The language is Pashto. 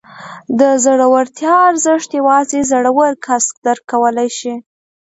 د زړورتیا ارزښت یوازې زړور کس درک کولی شي.